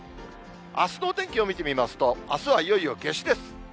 あすのお天気を見てみますと、あすはいよいよ夏至です。